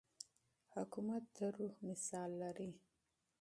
حکومت د روح مثال لري.